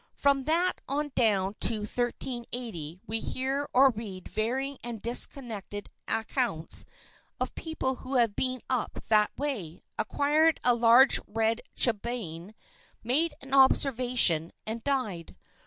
From that on down to 1380 we hear or read varying and disconnected accounts of people who have been up that way, acquired a large red chilblain, made an observation, and died.